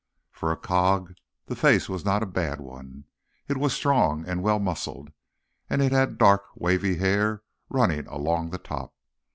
For a cog, the face was not a bad one. It was strong and well muscled, and it had dark, wavy hair running along the top.